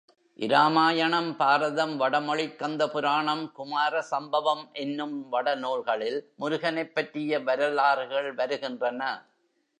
இராமாயணம், பாரதம், வடமொழிக் கந்த புராணம், குமார சம்பவம் என்னும் வடநூல்களில் முருகனைப் பற்றிய வரலாறுகள் வருகின்றன.